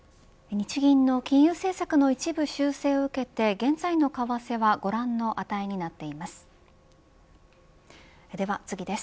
日銀の金融政策の一部修正を受けて現在の為替はご覧の値になっています。